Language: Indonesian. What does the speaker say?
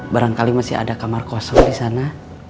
barangkali masih ada kamar kosong di sana